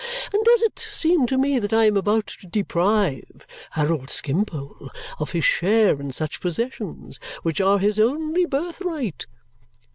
And does it seem to me that I am about to deprive Harold Skimpole of his share in such possessions, which are his only birthright!'